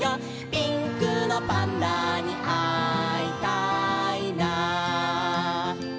「ピンクのパンダにあいたいな」